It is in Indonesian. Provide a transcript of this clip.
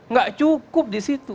gak cukup disitu